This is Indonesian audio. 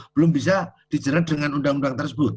belum bisa dicerah dengan undang undang